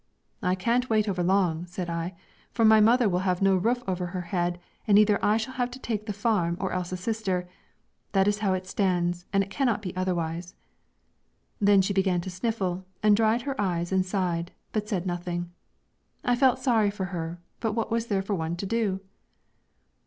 'I can't wait over long,' said I, 'for my mother will have no roof over her head, and either I shall have to take the farm or else a sister; that is how it stands, and it cannot be otherwise.' Then she began to sniffle, and dried her eyes and sighed, but said nothing. I felt sorry for her, but what was there for one to do?